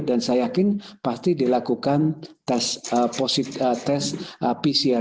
saya yakin pasti dilakukan tes pcr